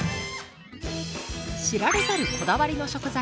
知られざるこだわりの食材